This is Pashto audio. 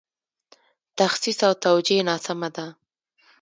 تخصیص او توجیه ناسمه ده.